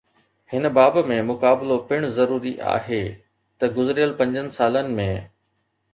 هن باب ۾ مقابلو پڻ ضروري آهي ته گذريل پنجن سالن ۾